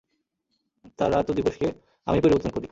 তাঁর রাত ও দিবসকে আমিই পরিবর্তন করি।